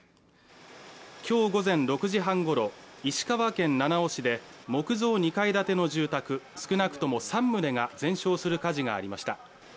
今日午前６時半ごろ、石川県七尾市で木造２階建ての住宅少なくとも３棟が全焼する火事がありました。